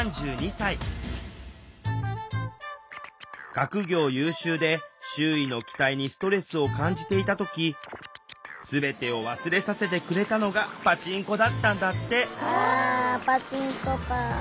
学業優秀で周囲の期待にストレスを感じていた時全てを忘れさせてくれたのがあパチンコか。